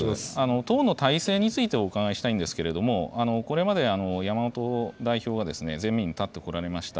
党の体制についてお伺いしたいんですけれども、これまで山本代表は前面に立ってこられました。